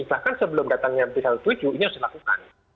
bahkan sebelum datangnya b tujuh belas ini harus dilakukan